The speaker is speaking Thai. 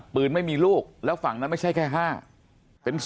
ไม่มีลูกแล้วฝั่งนั้นไม่ใช่แค่๕เป็น๒